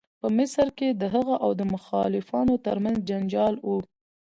په مصر کې د هغه او مخالفانو تر منځ جنجال و.